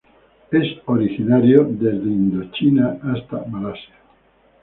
Es originario de Indochina hasta Malasia.